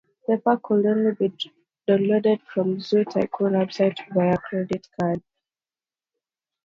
The pack could only be downloaded from the "Zoo Tycoon" website via credit card.